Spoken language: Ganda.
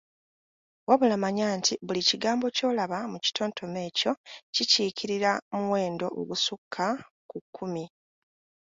Wabula manya nti buli kigambo ky’olaba mu kitontome ekyo kikiikirira muwendo ogusukka ku kkumi.